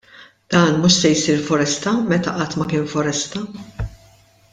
Dan mhux se jsir foresta meta qatt ma kien foresta!